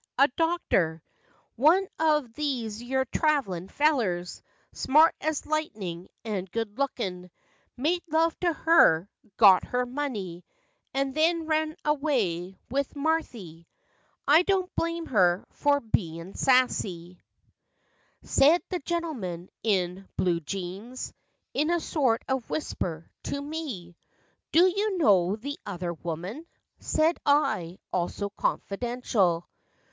A doctor, One of these yer trav'lin fellers, ' Smart as lightnin', and good lookin', Made love to her, got her money, And then run away with Marthy." ' I do n't blame her fer bein' sassy," 8 4 FACTS AND FANCIES. Said the gentleman, in ''blue jeans," In a sort of whisper, to me. " Do you know the other woman ?" Said I, also confidential.